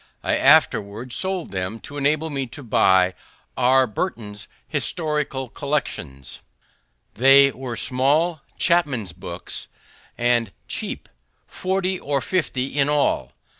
I afterward sold them to enable me to buy R. Burton's Historical Collections; they were small chapmen's books, and cheap, 40 or 50 in all.